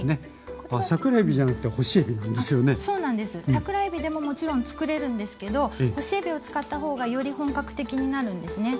桜えびでももちろん作れるんですけど干しえびを使った方がより本格的になるんですね。